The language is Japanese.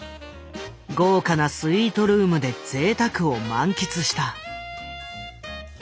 豪華なスイートルームでぜいたくを満喫した。